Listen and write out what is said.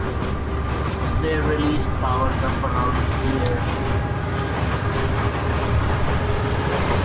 They released "Power" the following year.